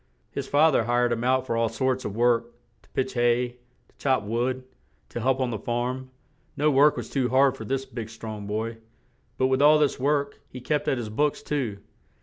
His fa ther hired him out for all sorts of work; to pitch hay, to chop wood, to help on the farm; no work was too hard for this big, strong boy; but, with all this work, he kept at his books too.